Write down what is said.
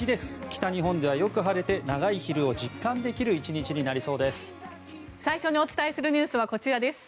北日本ではよく晴れて長い昼を実感できる１日になりそうです。